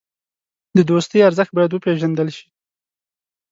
د دوستۍ ارزښت باید وپېژندل شي.